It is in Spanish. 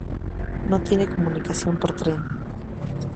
No tiene comunicación por tren.